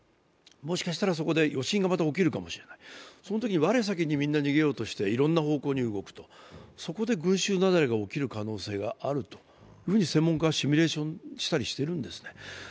もしかしたら、そこで余震がまた起きるかもしれない、そのときに我先にみんな逃げようとしていろんな方向に動くとそこで群集雪崩が起きる可能性があると専門家はシミュレーションしたりしてるんですね。